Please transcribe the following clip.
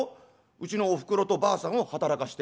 うちのおふくろとばあさんを働かして」。